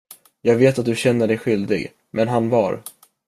Jag vet att du känner dig skyldig, men han var.